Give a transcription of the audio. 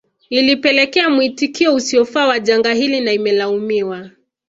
Ilipelekea muitikio usiofaa wa janga hili na imelaumiwa